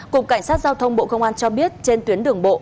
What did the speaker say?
cục cảnh sát giao thông bộ công an cho biết trên tuyến đường bộ